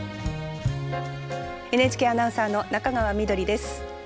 ＮＨＫアナウンサーの中川緑です。